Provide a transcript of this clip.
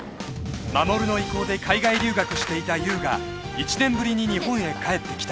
［衛の意向で海外留学していた優が１年ぶりに日本へ帰ってきた］